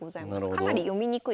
かなり読みにくいです。